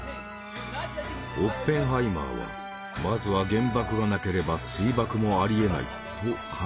オッペンハイマーはまずは原爆がなければ水爆もありえないと判断していた。